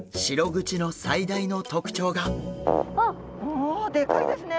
おでかいですね。